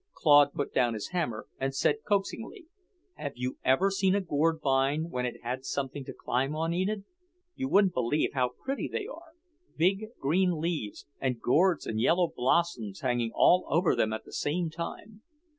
Claude put down his hammer and said coaxingly: "Have you ever seen a gourd vine when it had something to climb on, Enid? You wouldn't believe how pretty they are; big green leaves, and gourds and yellow blossoms hanging all over them at the same time.